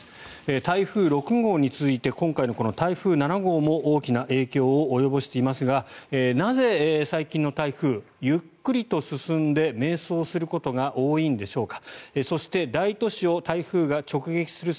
台風６号に続いて今回の台風７号も大きな影響を及ぼしていますがなぜ、最近の台風ゆっくりと進んで迷走することが多いんでしょうか。